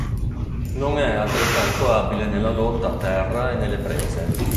Non è altrettanto abile nella lotta a terra e nelle prese.